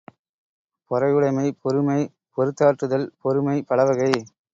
பொறையுடைமை பொறுமை பொறுத்தாற்றுதல், பொறுமை பலவகை.